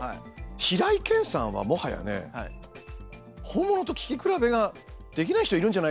平井堅さんはもはやね本物と聞き比べができない人いるんじゃないかなっていうぐらい。